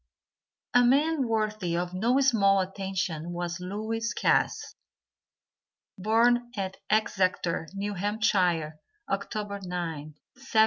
A man worthy of no small attention was Lewis Cass. Born at Exeter, New Hampshire, October 9th, 1782.